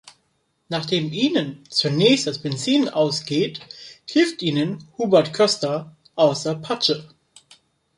Nachdem ihnen zunächst das Benzin ausgeht, hilft ihnen Hubert Köster aus der Patsche.